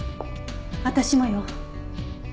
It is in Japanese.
私もよ。